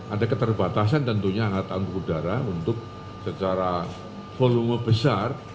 ada keterbatasan tentunya alat angkut udara untuk secara volume besar